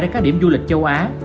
đến các điểm du lịch châu á